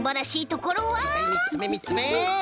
はいはいみっつめみっつめ。